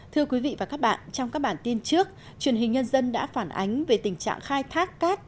thưa quý vị và các bạn trong các bản tin trước truyền hình nhân dân đã phản ánh về tình trạng khai thác cát